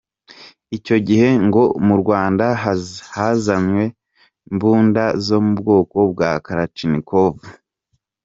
Icyo gihe ngo mu Rwanda hazanywe mbunda zo mu bwoko bwa Kalachnikov.